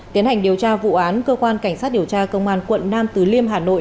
tiến hành điều tra vụ án cơ quan cảnh sát điều tra công an quận nam từ liêm hà nội